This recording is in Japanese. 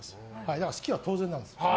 だから好きは当然なんです。